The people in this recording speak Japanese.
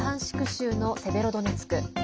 州のセベロドネツク。